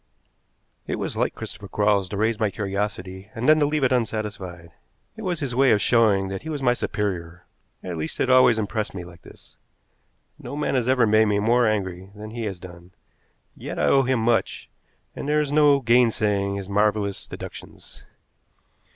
It was like Christopher Quarles to raise my curiosity, and then to leave it unsatisfied. It was his way of showing that he was my superior at least, it always impressed me like this. No man has ever made me more angry than he has done. Yet I owe him much, and there is no gainsaying his marvelous deductions.